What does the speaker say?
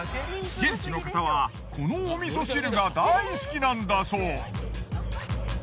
現地の方はこのお味噌汁が大好きなんだそう。